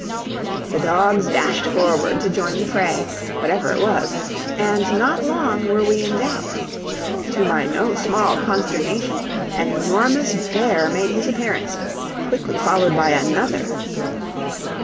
The dogs dashed forward to join the fray, whatever it was; and not long were we in doubt. To my no small consternation, an enormous bear made his appearance, quickly followed by another.